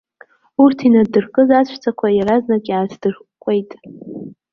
Урҭ инаддыркыз аҵәцақәа иаразнак иааҭдыркәкәеит.